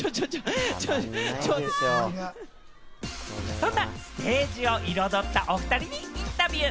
そんなステージを彩ったおふたりにインタビュー。